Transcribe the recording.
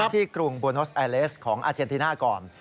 ที่กรุงบอร์โนสต์ไอเลสของอาเจนติน่ากร